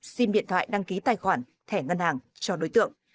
xin điện thoại đăng ký tài khoản thẻ ngân hàng cho đối tượng